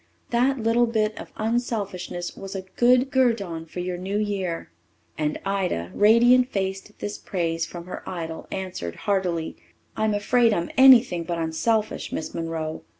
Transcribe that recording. That little bit of unselfishness was a good guerdon for your new year." And Ida, radiant faced at this praise from her idol, answered heartily: "I'm afraid I'm anything but unselfish, Miss Monroe.